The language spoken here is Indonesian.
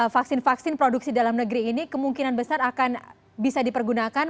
vaksin vaksin produksi dalam negeri ini kemungkinan besar akan bisa dipergunakan